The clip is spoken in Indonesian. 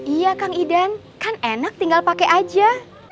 iya kang idan kan enak tinggal pakai aja